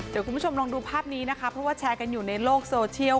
เดี๋ยวคุณผู้ชมลองดูภาพนี้นะคะเพราะว่าแชร์กันอยู่ในโลกโซเชียล